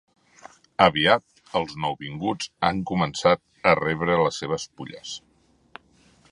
Aviat els nouvinguts han començat a rebre les seves pulles.